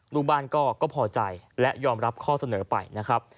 ลูกบ้านก็พอใจและยอมรับข้อเสนอไปนะครับ